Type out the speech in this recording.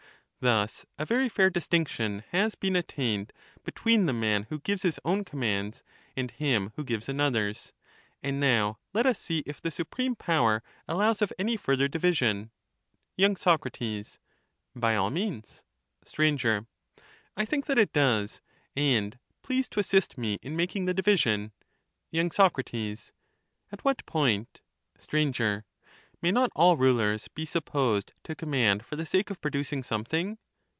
Thus a very fair distinction has been attained between 261 the man who gives his own commands, and him who gives another's. And now let us see if the supreme power allows of any further division. y. Sac, By all means. Str, I think that it does ; and please to assist me in making the division. Y, Sac. At what point ? Str. May not all rulers be supposed to command for the sake of producing something?